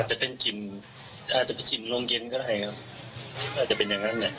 อาจจะเป็นจิ่นอาจจะไปจิ่นโรงเย็นก็ได้ครับอาจจะเป็นอย่างงั้น